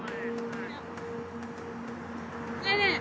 ねえねえ！